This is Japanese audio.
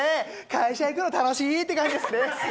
会社行くの楽しいって感じですよね。